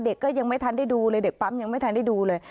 ก็ยังไม่ทันได้ดูเลยเด็กปั๊มยังไม่ทันได้ดูเลย